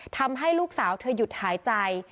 ทำให้ลูกสาวเธอหยุดหายใจ